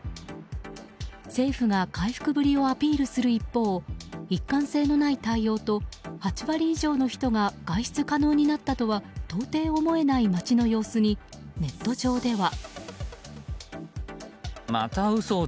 政府が回復ぶりをアピールする一方一貫性のない対応と８割以上の人が外出可能になったとは到底思えない街の様子にネット上では。